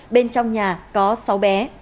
bên trong nhà có sáu bé